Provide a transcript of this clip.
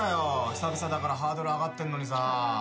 久々だからハードル上がってんのにさ。